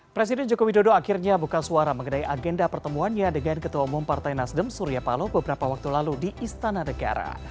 presiden joko widodo akhirnya buka suara mengenai agenda pertemuannya dengan ketua umum partai nasdem surya paloh beberapa waktu lalu di istana negara